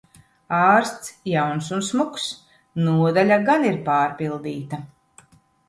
Ārsts jauns un smuks. Nodaļa gan ir pārpildīta...